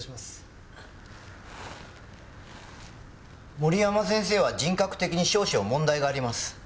森山先生は人格的に少々問題があります。